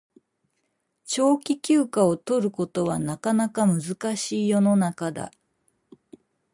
長期休暇を取ることはなかなか難しい世の中だ